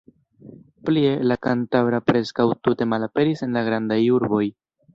Plie, la kantabra preskaŭ tute malaperis en la grandaj urboj.